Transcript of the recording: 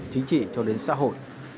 chính trị cho đến xã hội